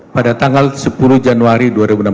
pada tanggal sepuluh januari dua ribu enam belas